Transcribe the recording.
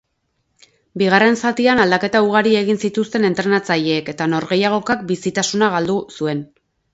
Bigarren zatian, aldaketa ugarri egin zituzten entrenatzaileek eta norgehiagokak bizitasuna galdu zuen.